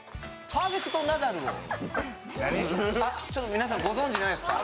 皆さんご存じないですか？